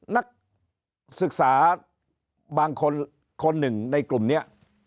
นักศึกษาบางคนคนหนึ่งในกลุ่มนี้